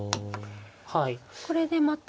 これでまた。